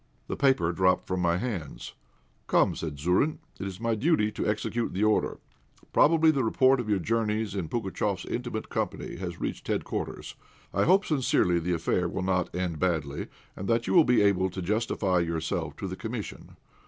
The paper dropped from my hands. "Come," said Zourine, "it is my duty to execute the order. Probably the report of your journeys in Pugatchéf's intimate company has reached headquarters. I hope sincerely the affair will not end badly, and that you will be able to justify yourself to the Commission.